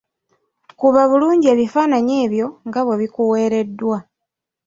Kuba bulungi ebifaananyi ebyo nga bwe bikuweereddwa.